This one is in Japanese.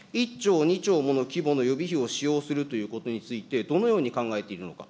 １兆２兆もの規模の予備費を使用するということについて、どのように考えているのか。